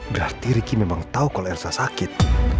berarti ricky memang tau kalau elsa sakit